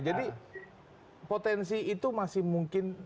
jadi potensi itu masih mungkin